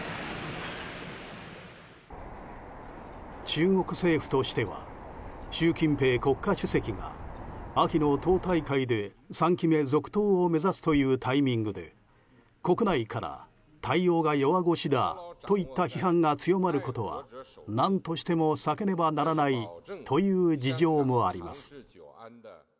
中国政府としては習近平国家主席が秋の党大会で３期目続投を目指すというタイミングで国内から対応が弱腰だといった批判が強まることは何としても避けねばならないという事情もあります。